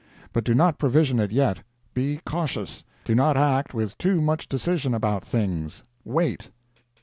But do not provision it yet. Be cautious. Do not act with too much decision about things. Wait.